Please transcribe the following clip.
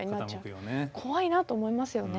怖いなと思いますよね。